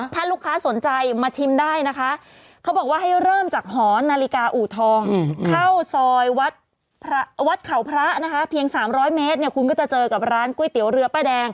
ถ้าลูกค้าสนใจมาชิมได้นะคะเขาบอกว่าให้เริ่มจากหอนาฬิกาอูทองเข้าซอยวัดเขาพระนะคะเพียง๓๐๐เมตรเนี่ยคุณก็จะเจอกับร้านก๋วยเตี๋ยวเรือป้าแดง